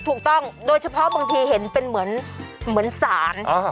ถูกต้องโดยเฉพาะบางทีเห็นเป็นเหมือนสาร